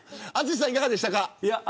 淳さん、いかがでしたか。